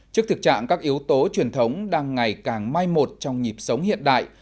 trước thực trạng các yếu tố truyền thống đang ngày càng mai một trong nhịp sống hiện đại